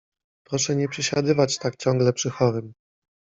— Proszę nie przesiadywać tak ciągle przy chorym.